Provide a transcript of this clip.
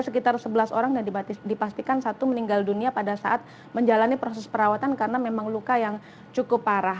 selamat malam eka